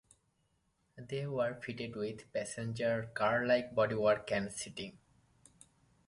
They were fitted with passenger car-like bodywork and seating.